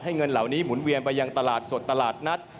เงินเหล่านี้หมุนเวียนไปยังตลาดสดตลาดนัด